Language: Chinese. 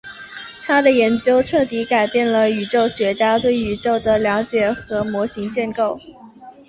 她的研究彻底改变了宇宙学家对宇宙的了解和模型建构。